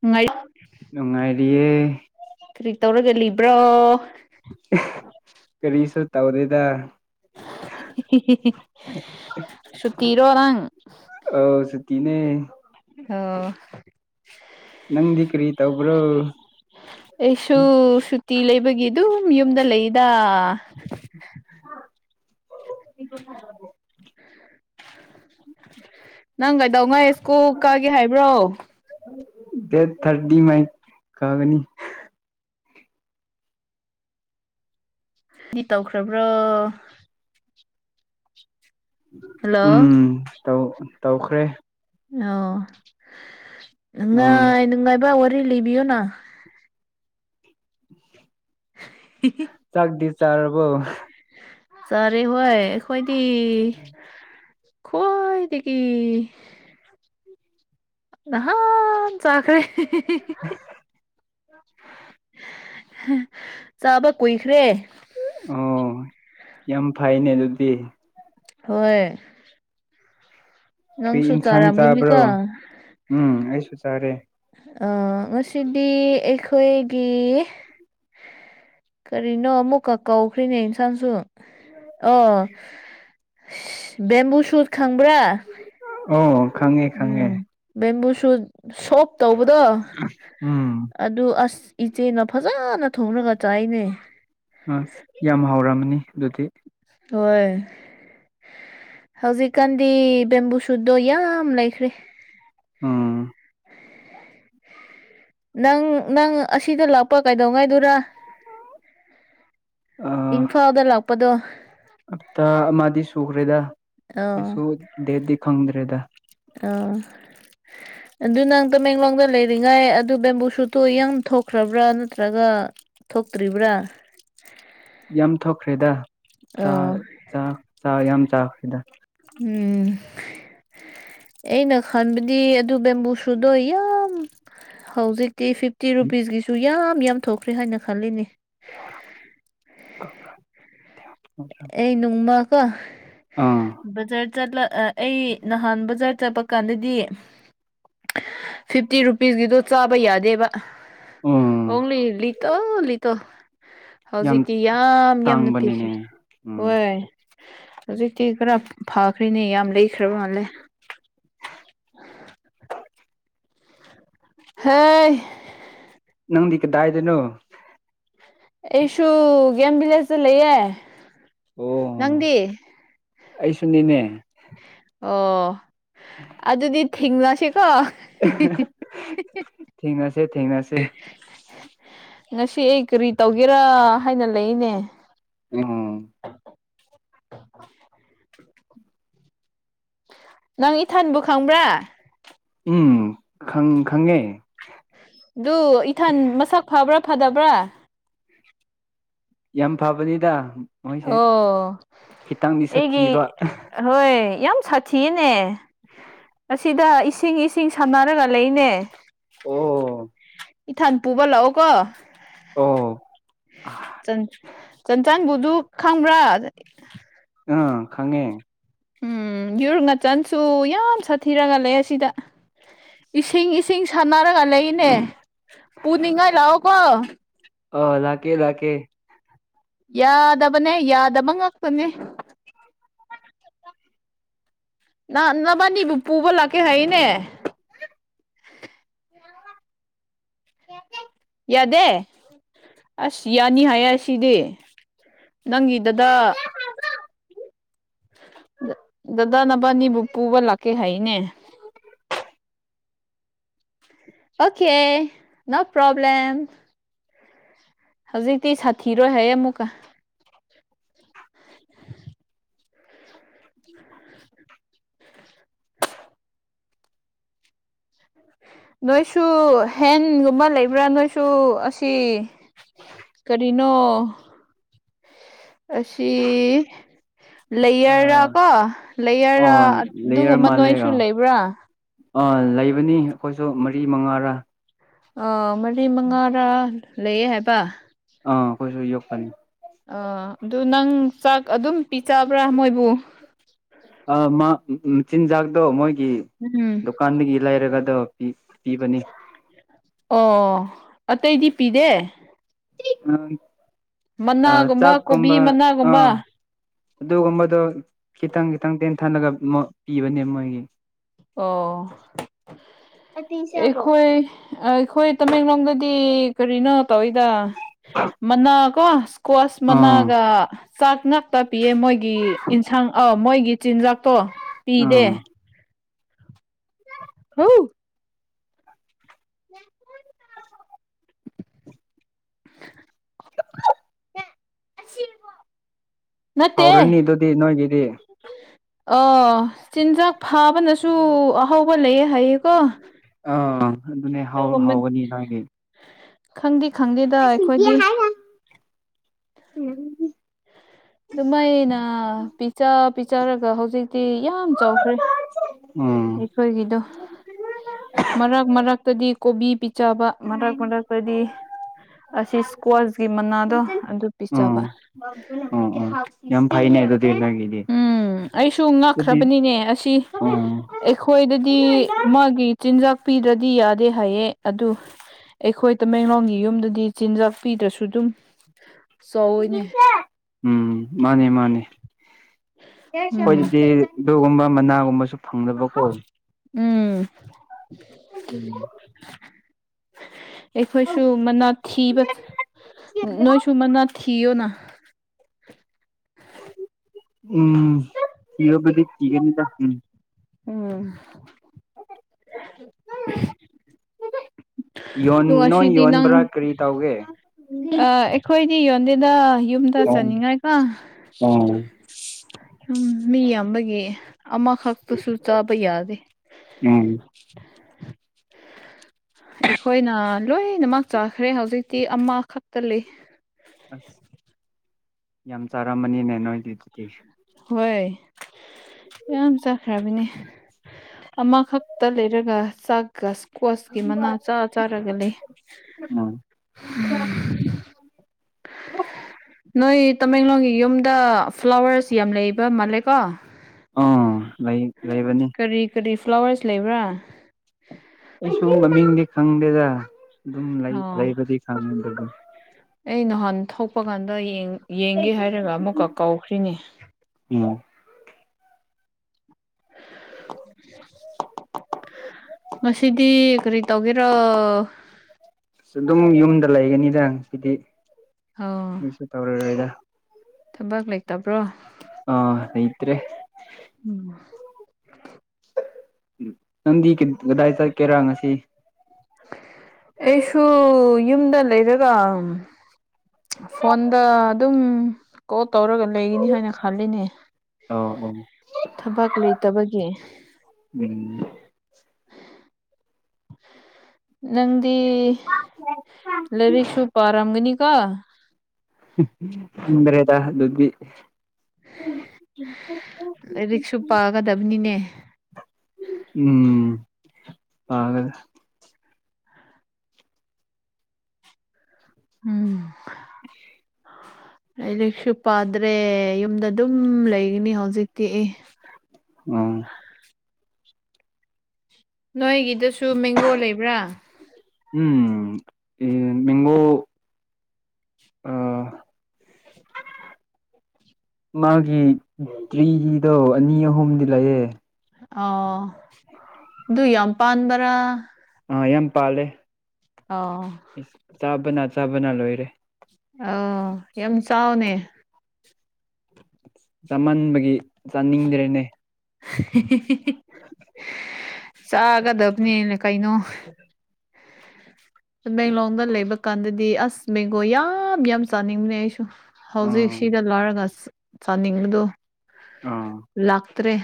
ꯅꯨꯡꯉꯥꯏ ꯅꯨꯡꯉꯥꯏꯔꯤꯌꯦ ꯀꯔꯤ ꯇꯧꯔꯒ ꯂꯤꯕ꯭ꯔꯣ ꯀꯔꯤꯁꯨ ꯇꯧꯗꯦꯗ ꯇꯤꯔꯣꯂꯥꯡ ꯑ ꯁꯇꯅꯦ ꯑꯣ ꯅꯪꯗꯤ ꯀꯔꯤ ꯇꯧꯕ꯭ꯔꯣ ꯑꯩꯁꯨ ꯁꯨꯇ ꯂꯩꯕꯒꯗꯨ ꯨꯝ ꯌꯨꯝꯗ ꯂꯩꯗ ꯍ ꯀꯣ ꯐꯔꯗ ꯅꯪ ꯀꯩꯗꯧꯉꯥꯏ ꯁ꯭ꯀꯨꯜ ꯀꯛꯒꯦ ꯍꯥꯏꯕ꯭ꯔꯣ ꯗ ꯊꯔꯗꯤ ꯃꯥꯏ ꯀꯒꯅꯤ ꯃꯤ ꯇꯧꯈ꯭ꯔꯕ꯭ꯔꯣ ꯎꯝ ꯍꯜꯂꯣ ꯇꯧꯈ꯭ꯔꯦ ꯑꯣ ꯎꯝ ꯉꯉꯥꯏꯕ ꯂꯤꯕꯤꯣ ꯅ [unintelligible] ꯆꯥꯛꯗꯤꯁ ꯆꯥꯔꯔꯕꯣ ꯁꯔꯦ ꯍꯣꯏ ꯀꯣꯏ ꯇ ꯈꯣꯏꯗꯒꯤ ꯅꯍꯥꯟ ꯆꯈ꯭ꯔꯦ ꯆꯥꯕ ꯀꯨꯏꯈ꯭ꯔꯦ ꯑꯣ ꯌꯥꯝ ꯐꯩꯅꯦ ꯑꯗꯨꯗꯤ ꯍꯣꯏꯣꯏ ꯀ ꯌꯦꯟꯁꯥꯡ ꯆꯥꯕ꯭ꯔꯣ ꯎꯝ ꯑꯩꯁꯨ ꯆꯥꯔꯦ ꯑꯥ ꯉꯁꯤꯗꯤ ꯑꯩꯈꯣꯏꯒꯤ ꯀꯔꯤꯅꯣ ꯑꯃꯨꯛꯀ ꯀꯧꯈ꯭ꯔꯤꯅꯦ ꯏꯟꯁꯥꯡꯁꯨ ꯑꯥ ꯕꯦꯝꯕꯨ ꯁꯨꯠ ꯈꯪꯕ꯭ꯔꯥ ꯑ ꯎꯝ ꯕꯤꯕꯨꯁ ꯁ ꯇꯧꯕꯗꯣ ꯎꯝ ꯑꯗꯨ ꯑꯁ ꯏꯆꯦꯅ ꯐꯖꯅ ꯊꯣꯡꯅꯒꯆꯥ ꯑꯥꯏꯅꯦ ꯑꯁ ꯌꯥꯝ ꯍꯥꯎꯔꯝꯃꯅꯤ ꯖꯣꯇ ꯍꯣꯏ ꯍꯧꯖꯤꯛꯀꯥꯟꯗꯤ ꯕꯦꯝꯕꯨ ꯁꯨꯠꯇꯣ ꯌꯥꯝ ꯂꯩꯈ꯭ꯔꯦ ꯑꯝ ꯅꯪ ꯅꯪ ꯑꯁꯤꯗ ꯂꯥꯛꯄ ꯀꯩꯗꯧꯉꯥꯏꯗꯨꯔꯥ ꯏꯝꯐꯥꯜꯗ ꯂꯥꯛꯄꯗꯣ ꯍ ꯑꯞꯇꯥ ꯑꯃꯗꯤ ꯁꯨꯈ꯭ꯔꯦꯗ ꯑꯥ ꯑꯩꯩꯁꯨ ꯗꯦꯗꯤ ꯈꯪꯗ꯭ꯔꯦꯗ ꯑꯥ ꯑꯗꯨ ꯅꯪ ꯇꯃꯦꯡꯂꯣꯡꯗ ꯂꯩꯔꯤꯉꯥꯏ ꯑꯗꯨ ꯕꯦꯝꯕꯨ ꯁꯨꯠꯇꯣ ꯏ ꯊꯣꯛꯈ꯭ꯔꯕ꯭ꯔꯥ ꯅꯠꯇ꯭ꯔꯒ ꯊꯣꯛꯇ꯭ꯔꯤꯕ꯭ꯔꯥ ꯌꯥꯝ ꯊꯣꯛꯈ꯭ꯔꯦꯗ ꯆꯥ ꯑꯣ ꯆꯥ ꯆꯥ ꯌꯥꯝ ꯆꯗ ꯎꯝ ꯑꯩꯅ ꯈꯟꯕꯗꯤ ꯑꯗꯨ ꯕꯦꯝꯕꯨ ꯁꯨꯗꯣꯏ ꯌꯥꯝ ꯍꯧꯖꯤꯛ ꯤ ꯐꯤꯐꯇꯤ ꯔꯨꯄꯤꯁꯀꯤꯁꯨ ꯌꯥ ꯌꯥꯝ ꯊꯣꯛꯈ꯭ꯔꯦ ꯍꯥꯏꯅ ꯈꯜꯂꯤꯅꯦ [unintelligible] ꯑꯩ ꯅꯅꯨꯡꯃ ꯀ ꯑꯥ ꯑ ꯆꯠ ꯆꯠꯂ ꯑ ꯑꯩ ꯅꯍꯥꯟ ꯖꯥꯠ ꯆꯠꯄ ꯀꯥꯟꯗꯗꯤ ꯐꯤꯐꯇꯤ ꯔꯨꯄꯤꯁꯀꯤꯗꯣ ꯆꯥꯕ ꯌꯥꯗꯦꯕ ꯎꯝ ꯑ ꯂꯤ ꯇ ꯂꯤꯇꯣ ꯌꯥꯝ ꯍꯧꯖꯤꯛꯤ ꯌꯥꯝ ꯌꯥꯝꯅ ꯇꯥꯡꯕꯅꯤꯅꯦ ꯄꯤꯈ꯭ꯔꯦ ꯎꯝ ꯍ ꯑꯗꯨ ꯀ ꯐꯈ꯭ꯔꯦꯅꯦ ꯌꯥꯝ ꯂꯩꯈ꯭ꯔꯕ ꯃꯥꯜꯂꯦ [unintelligible] ꯍ ꯅꯪꯗꯤ ꯀꯗꯥꯏꯗꯦꯅꯣ ꯑꯦꯁꯨ ꯒꯦꯝꯕꯤꯂꯁꯦ ꯂꯩꯌꯦꯦ ꯑꯣ ꯅꯪꯗꯤꯦ ꯑꯩꯁꯨꯅꯤꯅꯦ ꯑꯣ ꯑꯗꯨꯗꯤ ꯊꯦꯡꯅꯁꯤ ꯀ ꯊꯦꯡꯅ ꯁ [inaudible] ꯉꯁꯤ ꯑꯩ ꯀꯔꯤ ꯇꯧꯒꯦꯔꯥ ꯍꯥꯏꯅ ꯂꯩꯅꯦ ꯎꯝ [inaudible] ꯅꯪ ꯏꯊꯟꯕꯨ ꯈꯪꯕ꯭ꯔꯥ ꯎꯝ ꯈꯪ ꯈꯪꯉꯦ ꯑꯗꯨ ꯏꯊꯟ ꯃꯁꯥ ꯐꯥꯕ꯭ꯔ ꯐꯗꯕ꯭ꯔꯥ ꯌꯥꯝ ꯐꯕꯅꯤꯗ ꯃꯣꯏꯁꯦ ꯑꯣ ꯈꯤꯇꯪꯗꯤ ꯑꯩꯒꯤ ꯁꯥꯊꯤꯕ ꯍꯣꯏ ꯌꯥꯝ ꯁꯥꯊꯤꯌꯦꯅꯦ ꯑꯥꯁꯤꯗ ꯏꯁꯤꯡ ꯏꯁꯤꯡ ꯁꯝꯅꯔꯒ ꯂꯩꯅꯦ ꯑꯣ ꯏꯊꯥꯟ ꯄꯨꯕ ꯂꯥꯛꯑꯣ ꯀꯣ ꯑꯣ ꯑꯥ ꯆꯟ ꯆ ꯆꯥꯟꯕꯨꯗꯨ ꯈꯝ꯭ꯔꯥ ꯑꯥ ꯈꯉꯦ ꯎꯝ ꯌꯔ ꯉꯆꯟꯁꯨ ꯌꯥꯝ ꯁꯥꯊꯤꯔꯒ ꯂꯩ ꯑꯁꯤꯗ ꯏꯁꯤꯡ ꯏꯁꯤꯡ ꯁꯥꯟꯅꯔꯒ ꯂꯩꯅꯦ ꯄꯅꯤꯡꯉꯥꯏ ꯂꯥꯛꯑꯣ ꯀꯣ ꯑ ꯂꯥꯛꯀꯦ ꯂꯥꯛꯀꯦ ꯌꯥꯗꯕꯅꯦ ꯌꯥꯗꯕꯪ ꯉꯥꯛꯇꯅꯤ ꯅ ꯅꯕꯅꯤꯕꯨ ꯄꯨꯕꯂꯛꯀꯦ ꯍꯥꯏꯅꯦ ꯌꯥꯗꯦ ꯑꯁ ꯌꯥꯅꯤ ꯍꯥꯏꯌꯦ ꯁꯤꯗꯤ ꯅꯪꯒꯤꯗꯗ ꯗꯗꯥ ꯅꯕꯥꯅꯤ ꯕꯨꯄꯨꯕ ꯂꯥꯛꯀꯦ ꯍꯥꯏꯅꯦ ꯑꯣꯀꯦ ꯅꯣ ꯄ꯭ꯔꯣꯕ꯭ꯂꯦꯝ ꯍꯧꯖꯤꯛꯇꯤ ꯁꯥꯊꯤꯔꯣꯏ ꯍꯥꯏ ꯑꯃꯨꯛꯀ [inaudible] ꯅꯣꯏꯁꯨ ꯍꯦꯟꯒꯨꯝꯕ ꯂꯩꯕ꯭ꯔꯥ ꯅꯣꯏꯁꯨ ꯑꯁꯤ ꯀꯔꯤꯅꯣ ꯑꯁꯤ ꯑ ꯂꯩꯌꯔꯥ ꯀꯣ ꯑꯣ ꯂꯩꯌꯔꯥ ꯂꯩꯌꯔ ꯑꯗꯨꯒꯨꯝꯕ ꯃꯥꯜꯂꯦ ꯅꯣꯏꯁꯨ ꯑ ꯂꯩꯕ꯭ꯔꯥ ꯑꯥ ꯂꯩꯕꯅꯤ ꯑꯩꯈꯣꯏꯁꯨ ꯃꯔꯤ ꯃꯉꯥꯔꯥ ꯑ ꯃꯔꯤ ꯃꯉꯥꯔꯥ ꯂꯩꯌꯦ ꯍꯥꯏꯕ ꯑ ꯀꯣꯏꯁꯨ ꯌꯄꯅꯤ ꯑ ꯑꯗꯨ ꯅꯪ ꯆꯥꯛ ꯑꯗꯨꯝ ꯄꯤꯖꯕ꯭ꯔꯥ ꯃꯣꯏꯕꯨ ꯑ ꯆꯤꯟꯖꯥꯛꯇꯣ ꯃꯣꯏ ꯎꯝ ꯗꯨꯀꯥꯟꯗꯒꯤ ꯂꯩꯔꯒ ꯑꯗꯨꯣ ꯄꯤꯕꯅꯤ ꯑꯣ ꯑꯇꯩꯗꯤ ꯄꯤꯗꯦ ꯑꯥ ꯑ ꯃꯅꯥꯒꯨꯝꯕ ꯀꯣꯕꯤ ꯆꯥꯛꯀꯨꯝꯕ ꯃꯅꯥꯒꯨꯝꯕ ꯑꯥ ꯑꯗꯨꯒꯨꯝꯕꯗꯣ ꯈꯤꯇꯪ ꯈꯤꯇꯪ [inaudible] ꯇꯦꯟ ꯊꯂꯒ ꯄꯤꯕꯅꯦ ꯃꯣꯏꯒꯤ [inaudible] ꯑꯣ ꯑꯩꯈꯣꯏ ꯑ ꯑꯩꯈꯣꯏ ꯇꯃꯦꯡꯂꯣꯡꯗ ꯗꯤ ꯀꯔꯤꯅꯣ ꯇꯧꯋꯤꯗ ꯃꯅꯥ ꯀꯣ ꯏꯁꯀ꯭ꯋꯥꯁ ꯑꯥ ꯃꯅꯥꯒ ꯆꯥꯛꯅꯛ ꯇ ꯄꯤꯑ ꯃꯣꯏꯒꯤ ꯏꯟꯁꯥꯡ ꯑꯥꯎ ꯃꯣꯏꯒꯤ ꯒꯤ ꯆꯤꯟꯖꯥꯛ ꯄꯣ ꯄꯤꯗꯦ ꯑꯥ ꯍꯥꯎ ꯑꯁꯤꯁꯤꯕ ꯍꯧꯔꯅꯤ ꯑꯗꯨꯗꯤ ꯅꯣꯏꯒꯤꯗꯤ ꯑ ꯆꯤꯟꯖꯥꯛ ꯐꯥꯕꯅꯁꯨ ꯑꯍꯥꯎꯧꯕ ꯂꯩꯌꯦ ꯍꯥꯏꯌꯦꯀꯣ ꯑꯥ ꯑꯗꯨꯅꯦ ꯍꯥꯎꯒꯅꯤ ꯅꯒꯤ ꯈꯪꯗ ꯈꯪꯗꯦꯗ ꯑꯩꯈꯣꯏꯗꯤ [unintelligible] ꯑꯗꯨꯃꯥꯏꯩꯅ ꯄꯤꯖ ꯄꯤꯖꯔꯒ ꯍꯧꯖꯤꯛꯇꯤ ꯌꯥꯝ ꯆꯥꯎꯈ꯭ꯔꯦ ꯎꯝ ꯑꯩꯈꯣꯏꯒꯤꯗꯣ ꯃꯔꯛ ꯃꯔꯛꯇꯗꯤ ꯀꯣꯕꯤ ꯄꯤ ꯄꯤꯖꯕ ꯃꯔꯛ ꯃꯔꯛꯇꯗꯤ ꯑꯁꯤ ꯏꯁꯀ꯭ꯋꯥꯁꯀꯤ ꯃꯅꯥꯗꯣ ꯑꯗꯨ ꯄꯤꯖꯕ ꯌꯥꯝꯟꯥꯏꯩꯅꯅꯦ ꯍꯥꯏꯗ ꯎꯝ ꯑꯩꯁꯨ ꯑꯗꯨꯗꯤ ꯉꯛꯈ꯭ꯔꯕꯅꯤꯅꯦ ꯑꯁꯤ ꯎꯝ ꯑꯩꯈꯣꯏꯗꯗꯤ ꯃꯥꯒꯤ ꯆꯤꯟꯖꯥꯛ ꯄꯤꯗ꯭ꯔꯗꯤ ꯌꯥꯗꯦ ꯍꯥꯏꯌꯦ ꯑꯗꯨ ꯑꯩꯈꯣꯏ ꯇꯃꯦꯡꯂꯣꯡꯒꯤ ꯌꯨꯝꯗꯗꯤ ꯆꯤꯟꯖꯥꯛ ꯄꯤꯗ꯭ꯔꯁꯨ ꯑꯗꯨꯝ ꯆꯥꯎꯋꯤꯅꯦ ꯎꯝ ꯃꯥꯅꯦ ꯃꯥꯅꯦ ꯑꯩꯈꯣꯏ ꯎꯝ ꯑꯗꯨꯗꯤ ꯒꯨꯝꯕ ꯃꯅꯥꯒꯨꯝꯕꯁꯨ ꯐꯪꯗꯕꯀꯣ ꯎꯝ ꯎꯝ ꯑꯩꯈꯣꯏꯁꯨ ꯃꯅꯥꯠ ꯊꯤꯕ ꯅꯣꯏꯁꯨ ꯃꯅꯥꯠ ꯊꯤꯌꯣꯅ ꯎꯝ [unintelligible] [inaudible] ꯌꯣꯟ ꯑꯗꯣ ꯅꯣꯏ ꯉꯁꯤꯗꯤ ꯌꯣꯟꯕ꯭ꯔꯥ ꯅꯪ ꯀꯔꯤ ꯇꯧꯒꯦ ꯑꯩꯈꯣꯏꯗꯤ ꯌꯣꯟꯗꯦꯗ ꯌꯨꯝꯗ ꯎꯝ ꯆꯅꯤꯡꯉꯥꯏꯀꯣ ꯎꯝ ꯃꯤ ꯌꯥꯝꯕꯒꯤ ꯑꯃꯥ ꯈꯛꯇꯁꯨ ꯆꯥꯕ ꯌꯥꯗ ꯑꯩꯈꯣꯏꯅ ꯂꯣꯏꯅꯃꯛ ꯆꯥꯈ꯭ꯔꯦ ꯍꯧꯖꯤꯛ ꯑꯃ ꯈꯛꯇ ꯂꯩ ꯑꯁ ꯌꯥꯝ ꯆꯥꯔꯝꯃꯅꯤꯅꯦ ꯅꯣꯏꯗꯤ ꯑꯗꯨꯗꯤ ꯍꯣꯏ ꯌꯥꯝ ꯆꯥꯈ꯭ꯔꯕꯅꯦ ꯑꯃꯈꯛꯇ ꯂꯩꯔꯒ ꯆꯥꯛꯀ ꯀ꯭ꯁꯀꯤ ꯃꯅꯥ ꯆꯥ ꯆꯥꯔꯒ ꯂꯩ ꯅꯣꯢ ꯇꯃꯦꯡꯂꯣꯡꯒꯤ ꯌꯨꯝꯗ ꯐ꯭ꯂꯥꯋꯔ꯭ꯁ ꯌꯥꯝ ꯂꯩꯕ ꯃꯥꯜꯂꯦꯀꯣ ꯑꯥ ꯂꯩ ꯂꯩꯕꯅꯤ ꯀꯔꯤ ꯀꯔꯤ ꯐ꯭ꯂꯥꯋꯔꯁ ꯂꯩꯕ꯭ꯔꯥ ꯑꯩꯁꯨ ꯃꯃꯤꯡꯗꯤ ꯈꯪꯗꯦꯗ ꯑꯗꯨꯝ ꯂꯩ ꯑꯣ ꯂꯩꯕꯗꯤ ꯈꯪꯉꯦ ꯑꯗꯨ ꯑꯩ ꯅꯍꯥꯟ ꯊꯣꯛꯄ ꯀꯥꯟꯗ ꯌꯦꯡ ꯌꯦꯡꯒꯦ ꯍꯥꯏꯔꯒ ꯑꯃꯨꯛꯀ ꯀꯧꯈ꯭ꯔꯤꯅꯤ ꯎꯝ ꯉꯁꯤꯗꯤ ꯀꯔꯤ ꯇꯧꯒꯦꯔꯣ ꯑꯁ ꯑꯗꯨꯝ ꯌꯨꯝꯗ ꯂꯩꯒꯅꯤꯗ ꯁꯤꯗꯤ ꯑꯣ ꯀꯩꯁꯨ ꯇꯧꯔꯔꯣꯏꯗ ꯊꯕꯛ ꯂꯩꯇꯕ꯭ꯔꯣ ꯑ ꯂꯩꯇ꯭ꯔꯦ ꯎꯝ [inaudible] ꯑꯩꯁꯨ ꯌꯨꯝꯗ ꯂꯩꯔꯒ ꯐꯣꯟꯗ ꯑꯗꯨꯝ ꯀꯣꯜ ꯇꯧꯔꯒ ꯂꯩꯒꯅꯤ ꯍꯥꯏꯅ ꯈꯜꯂꯤꯅꯦ ꯑ ꯊꯕꯛ ꯂꯩꯇꯕꯒꯤ ꯑ ꯎꯝ ꯅꯪ ꯇꯤ ꯂꯩꯔꯤꯛꯁꯨ ꯄꯔꯝꯒꯅꯤ ꯀꯣ ꯈꯪꯗ꯭ꯔꯦꯗ [unintelligible] ꯂꯥꯏꯔꯤꯛꯁꯨ ꯄꯥꯒꯗꯕꯅꯤꯅꯦ ꯎꯝ [unintelligible] ꯎꯝ [inaudible] ꯑꯩꯗꯤꯛꯁꯨ ꯄꯥꯗ꯭ꯔꯦ ꯌꯨꯝꯗ ꯑꯗꯨꯝ ꯂꯩꯒꯅꯤ ꯍꯧꯖꯤꯛꯇꯤ ꯏ ꯑꯝ ꯅꯣꯏꯒꯗ ꯁꯨ ꯃꯦꯡꯒꯣ ꯂꯩꯕ꯭ꯔꯥ ꯎꯝ ꯃꯒꯣ ꯑ [inaudible] ꯃꯥꯒꯤ ꯇ꯭ꯔꯤꯗꯣ ꯑꯅꯤ ꯑꯍꯨꯝꯗꯤ ꯂꯩꯑꯦ ꯑꯣ ꯑꯗꯨ ꯌꯥꯝ ꯄꯥꯟꯕ꯭ꯔꯥ ꯑꯥ ꯌꯥꯝ ꯄꯥꯜꯂꯦ ꯑꯣ ꯑꯩꯁ ꯆꯥꯕꯅ ꯆꯥꯕꯅ ꯂꯣꯏꯔꯦ ꯑ ꯌꯥꯝ ꯆꯥꯎꯅꯦ ꯆꯃꯟꯕꯒꯤ ꯆꯥꯅꯤꯡꯗ꯭ꯔꯦꯅꯦ [inaudible] ꯆꯥꯒꯗꯕꯅꯦꯅ ꯀꯩꯅꯣ ꯇꯥꯃꯦꯟꯂꯣꯡꯗ ꯂꯩꯕ ꯀꯥꯟꯗꯗꯤ ꯑꯁ ꯕꯦꯡꯒꯣꯜ ꯌꯥꯝ ꯌꯥꯝ ꯆꯥꯅꯤꯡꯕꯅꯦ ꯑꯩꯁꯨ ꯍꯧꯖꯤꯛ ꯑꯥ ꯁꯤꯗ ꯂꯣꯏꯔꯒ ꯆꯥꯅꯤꯡꯕꯗꯣ ꯑꯥ ꯂꯥꯛ ꯐꯠꯇ꯭ꯔꯦ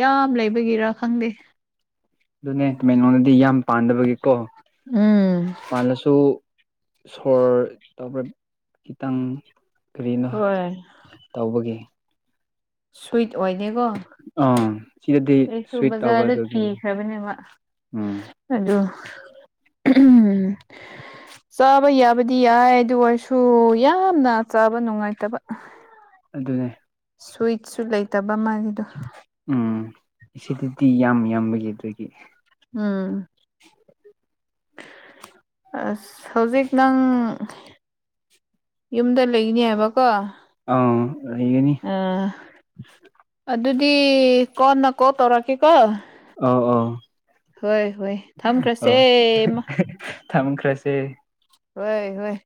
ꯌꯥꯝ ꯂꯩꯕꯒꯤꯔ ꯈꯪꯗꯦ ꯑꯗꯨꯅꯦꯃꯦꯉꯣꯟꯗꯗꯤ ꯌꯥꯝ ꯄꯥꯟꯗꯕꯒꯤꯀꯣ ꯎꯝ ꯄꯥꯜꯂꯁꯨ ꯁꯣꯔ ꯇꯥꯄꯔꯦ ꯈꯤꯇꯥꯡ ꯀꯔꯤꯅꯣ ꯍꯣꯏ ꯇꯧꯕꯒꯤꯦ ꯁ꯭ꯋꯠ ꯑꯣꯏ ꯀꯣ ꯑꯥ ꯁꯤꯗꯗꯤ ꯑꯩꯁꯨ ꯁ꯭ꯋꯤꯠ ꯇꯧꯕ ꯕꯖꯥꯔꯗ ꯑꯗꯨꯒꯤ ꯊꯤꯈ꯭ꯔꯕꯅꯦꯕ ꯎꯝ ꯑ ꯎꯝ ꯆꯥꯕ ꯌꯥꯕꯗꯤ ꯌꯥꯏ ꯑꯗꯨ ꯑꯣꯏꯔꯁꯨ ꯌꯥꯝꯅ ꯆꯥꯕ ꯅꯨꯡꯉꯥꯏꯇꯕ ꯑꯗꯨꯅꯦ ꯁ꯭ꯋꯤꯠꯁꯨ ꯂꯩꯇꯕ ꯃꯥꯜꯂꯤꯗꯣ ꯎꯝ ꯁꯤꯗꯗꯤ ꯌꯥꯝ ꯌꯥꯝꯕꯒꯤ ꯑꯗꯨꯒꯤ ꯎꯝ ꯑꯁ ꯍꯧꯖꯤꯛ ꯅꯪ ꯌꯨꯝꯗ ꯂꯩꯅꯦꯕꯀꯣ ꯑꯥ ꯂꯩꯒꯅꯤ ꯑ ꯑꯗꯨꯗꯤ ꯀꯣꯟꯅ ꯀꯣꯜ ꯇꯧꯔꯛꯀꯦꯀꯣ ꯑꯥ ꯑꯥ ꯍꯣꯏ ꯍꯣꯏ ꯊꯝꯈ꯭ꯔꯁꯦꯃ ꯊꯝꯈ꯭ꯔꯥꯁꯦ ꯍꯣꯏ ꯍꯣꯏ